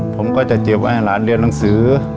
ผมก็จะเก็บไว้ให้หลานเรียนหนังสือ